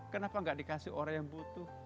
kenapa gak dikasih orang yang butuh